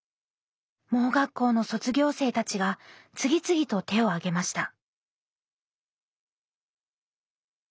盲学校の卒業生たちが次々と手を挙げました。